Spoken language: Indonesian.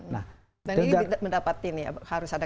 dan ini mendapatkan ini ya harus ada